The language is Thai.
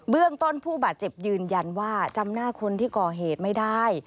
เรื่องต้นผู้บาดเจ็บยืนยันว่าจำหน้าคนที่ก่อเหตุไม่ได้